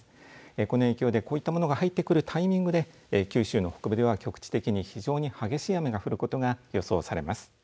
この影響でこういったものが入ってくるタイミングで九州の北部では局地的に非常に激しい雨が降ることが予想されます。